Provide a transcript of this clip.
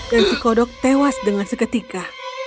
dan si kodok tewas dengan seketika